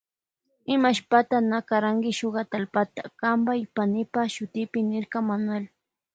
Imashpata na karanki shuk atallpata kanpa y panipa shutipi niyrka Manuel.